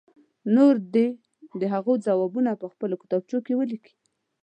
نور دې د هغو ځوابونه په خپلو کتابچو کې ولیکي.